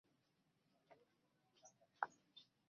আমি থাকিলে এমন কি কখনো ঘটিতে পারিত?